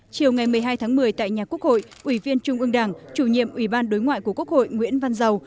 chiều ngày một mươi hai tháng một mươi tại nhà quốc hội ủy viên trung ương đảng chủ nhiệm ủy ban đối ngoại của quốc hội nguyễn văn giàu